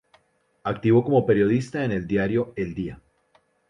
Activo como periodista en el diario El Día.